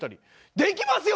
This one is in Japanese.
できますよ